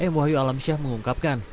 m wahyu alam syah mengungkapkan